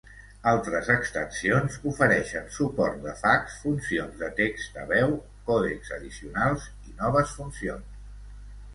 Altres extensions ofereixen suport de fax, funcions de text a veu, còdecs addicionals i noves funcions.